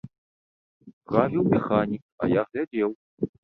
Правіў механік, а я глядзеў.